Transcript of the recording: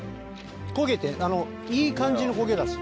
焦げていい感じの焦げだし。